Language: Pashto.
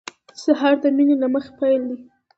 سهار د مینې له مخې پیل دی.